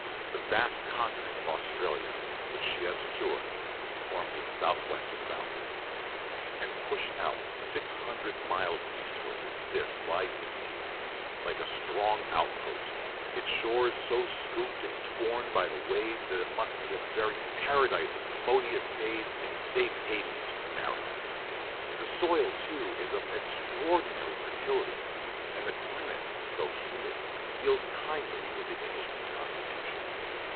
The vast continent of Australia, which she has secured, forms its south western boundary. And pushed out six hundred miles eastward from this lies New Zealand, like a strong outpost, its shores so scooped and torn by the waves that it must be a very paradise of commodious bays and safe havens for the mariner. The soil, too, is of extraordinary fertility; and the climate, though humid, deals kindly with the Englishman's constitution.